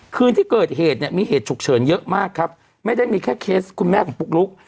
คืนที่เกิดเหตุเนี่ยมีเหตุฉุกเฉินเยอะมากครับไม่ได้มีแค่เคสคุณแม่ของปุ๊กลุ๊ก